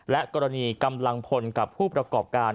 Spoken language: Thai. และกรณีกำลังพลกับผู้ประกอบการ